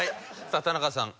さあ田中さん。